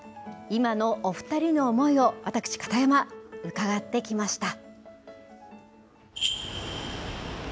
今のお２人の思いを私、片山、伺ってきました。